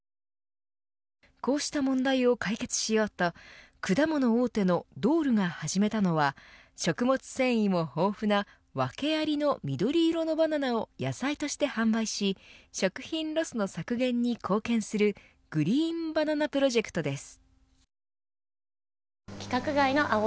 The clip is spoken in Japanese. こうした問題を解決しようと果物大手のドールが始めたのは食物繊維も豊富な訳ありの緑色のバナナを野菜として販売し食品ロスの削減に貢献するグリーンバナナプロジェクトです。